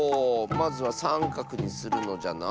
まずはさんかくにするのじゃな。